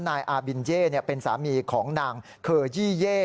นายอาบินเย่เป็นสามีของนางเคยี่เย่